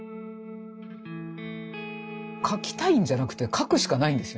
描きたいんじゃなくて描くしかないんですよ。